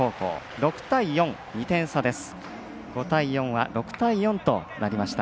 ５対４は６対４となりました。